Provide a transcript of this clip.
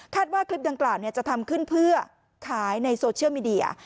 ว่าคลิปดังกล่าวจะทำขึ้นเพื่อขายในโซเชียลมีเดีย